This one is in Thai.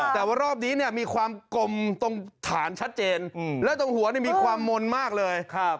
แต่ว่ารอบนี้เนี่ยมีความกลมตรงฐานชัดเจนแล้วตรงหัวมีความมนต์มากเลย